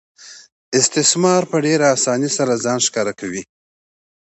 استثمار په ډېرې اسانۍ سره ځان ښکاره کوي